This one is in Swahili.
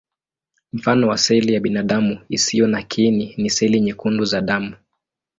Mfano wa seli ya binadamu isiyo na kiini ni seli nyekundu za damu.